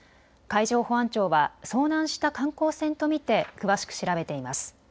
海上保安庁は遭難した観光船と見て詳しく調べています。